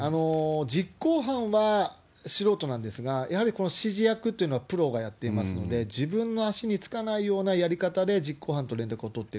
実行犯は素人なんですが、やはりこの指示役というのはプロがやっていますので、自分の足につかないようなやり方で実行犯と連絡を取っている。